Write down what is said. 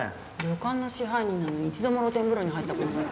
旅館の支配人なのに一度も露天風呂に入った事ないってどうなの？